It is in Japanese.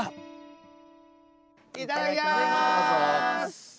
いただきます！